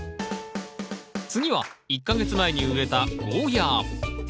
次は１か月前に植えたゴーヤー。